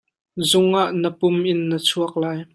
Zung ah na pum in na chuak lai.